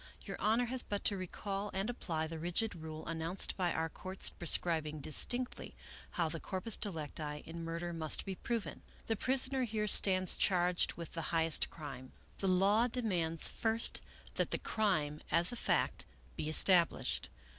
Your Honor has but to recall and apply the rigid rule announced by our courts prescribing distinctly how the corpus delicti in murder must be proven. " The prisoner here stands charged with the highest crime. The law demands, first, that the crime, as a fact, be established.